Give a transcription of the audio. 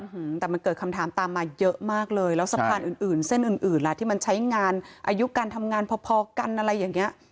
อืมแต่มันเกิดคำถามตามมาเยอะมากเลยแล้วสะพานอื่นอื่นเส้นอื่นอื่นล่ะที่มันใช้งานอายุการทำงานพอพอกันอะไรอย่างเงี้ย